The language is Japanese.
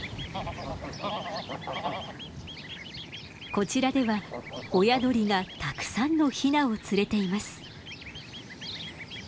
こちらでは親鳥がたくさんのヒナを連れています。